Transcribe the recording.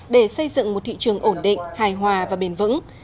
để xây dựng một thị trường ổn định hài hòa và bền vững